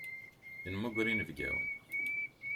Nemmuger inebgawen.